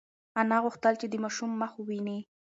انا غوښتل چې د ماشوم مخ وویني.